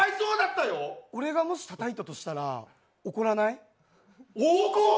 俺がもし、たたいたとしたら怒らない？